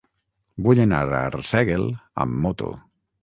Vull anar a Arsèguel amb moto.